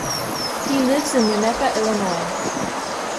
He lives in Winnetka, Illinois.